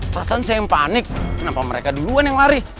perasaan saya yang panik kenapa mereka duluan yang lari